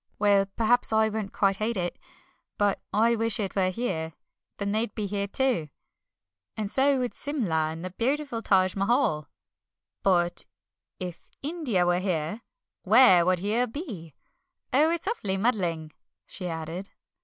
Well, perhaps I won't quite hate it, but I wish it were here, then they'd be here too, and so would Simla and the beautiful Taj Mahal." "But if India were here, where would Here be? Oh, it's awfully muddling," she added.